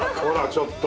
ちょっと。